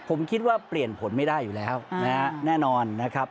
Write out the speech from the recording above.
ผมคิดว่าเปลี่ยนผลไม่ได้อยู่แล้วนะฮะแน่นอนนะครับ